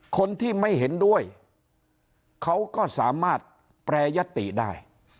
คนที่ไม่เห็นด้วยเขาก็สามารถแปรยติได้